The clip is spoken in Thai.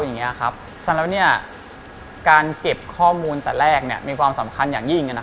สำหรับการเก็บข้อมูลแต่แรกมีความสำคัญอย่างยิ่ง